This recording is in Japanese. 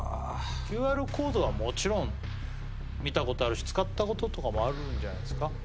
ＱＲコードはもちろん見たことあるし使ったこととかもあるんじゃないですか